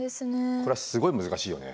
これはすごい難しいよね。